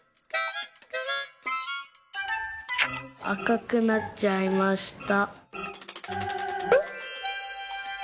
「あかくなっちゃいました」。